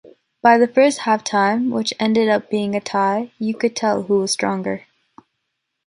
By the first half-time, which ended up being a tie, you could tell who was stronger.